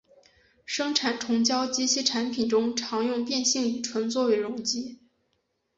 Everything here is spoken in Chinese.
生产虫胶及其产品中常用变性乙醇作为溶剂。